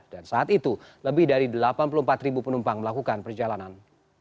dan saat itu lebih dari delapan puluh empat penumpang melakukan perjalanan